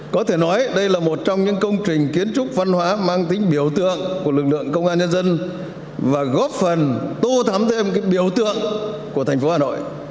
có thể nói đây là một trong những công trình kiến trúc văn hóa mang tính biểu tượng của lực lượng công an nhân dân và góp phần tô thắm thêm biểu tượng của thành phố hà nội